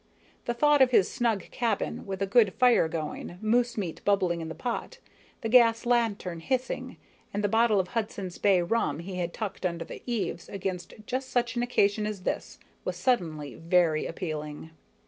The thought of his snug cabin, with a good fire going, moosemeat bubbling in the pot, the gas lantern hissing, and the bottle of Hudson's Bay rum he had tucked under the eaves against just such an occasion as this, was suddenly very appealing.